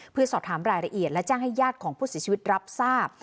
เพื่อสอบถามรายละเอียดและแจ้งให้ญาติของผู้เสียชีวิตรับทราบ